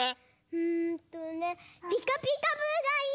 うんとね「ピカピカブ！」がいい！